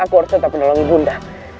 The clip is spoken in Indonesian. aku harus tetap menolong bunda